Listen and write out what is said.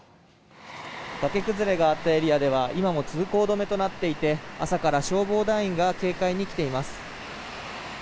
崖崩れがあったエリアでは今も通行止めになっていて朝から消防団員が警戒に来ています。